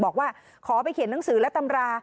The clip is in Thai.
บอกว่าขอไปเขียนหนังสือและตำรา